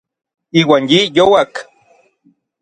Iuan yi youak.